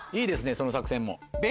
その作戦も。